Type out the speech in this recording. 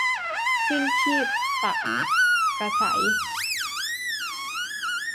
สิ้นชีพตักษัย